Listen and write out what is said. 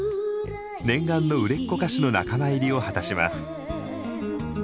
念願の売れっ子歌手の仲間入りを果たします。